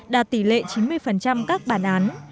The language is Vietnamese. đạt tỷ lệ chín mươi các bản án